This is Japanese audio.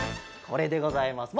これでございます。